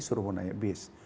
suruh naik bis